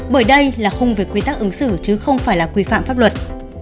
bởi đây là khung về quy tắc ứng xử chứ không phải là quy phạm pháp luật